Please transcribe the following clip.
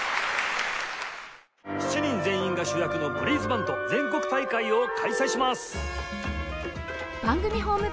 ７人全員が主役のブリーズバンド全国大会を開催します！